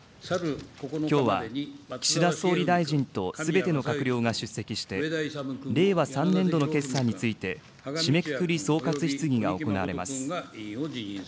きょうは、岸田総理大臣とすべての閣僚が出席して、令和３年度の決算について、締めくくり総括質疑が行われます。